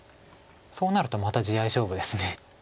そうなるとまた地合い勝負です。